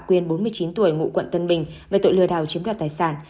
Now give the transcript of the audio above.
võ ngọc hạ quyên bốn mươi chín tuổi ngụ quận tân bình về tội lừa đào chiếm đoạt tài sản